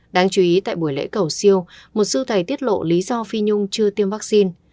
đáng chú ý tại buổi lễ cầu siêu một sưu thầy tiết lộ lý do phi nhung chưa tiêm vaccine